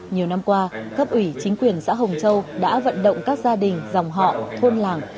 nhiều năm qua cấp ủy chính quyền xã hồng châu đã vận động các gia đình dòng họ thôn làng